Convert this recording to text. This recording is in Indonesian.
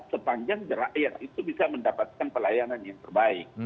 sepanjang rakyat itu bisa mendapatkan pelayanan yang terbaik